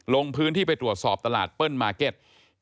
ลงพื้นที่ไปตรวจสอบตลาดเปิ้ลมาร์เก็ต